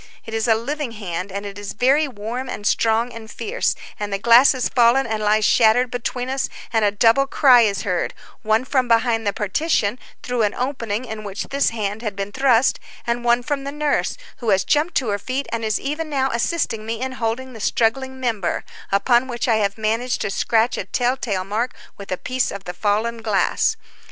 It is a living hand, and it is very warm and strong and fierce, and the glass has fallen and lies shattered between us, and a double cry is heard, one from behind the partition, through an opening in which this hand had been thrust, and one from the nurse, who has jumped to her feet and is even now assisting me in holding the struggling member, upon which I have managed to scratch a tell tale mark with a piece of the fallen glass.